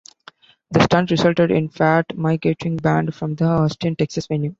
The stunt resulted in Fat Mike getting banned from the Austin, Texas venue.